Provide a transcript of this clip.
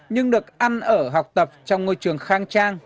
nhưng được ăn ở học tập trong ngôi trường khang trang